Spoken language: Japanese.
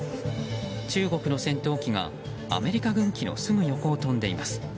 中国の戦闘機がアメリカ軍機のすぐ横を飛んでいます。